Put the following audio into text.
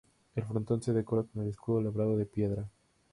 El frontón se decora con escudo labrado en piedra.